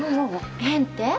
変って？